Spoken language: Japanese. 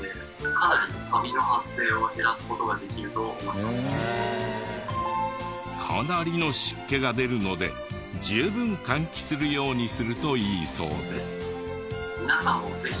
かなりの湿気が出るので十分換気するようにするといいそうです。